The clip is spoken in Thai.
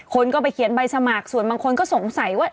คนก็ไปเขียนใบสมัครส่วนบางคนก็สงสัยว่า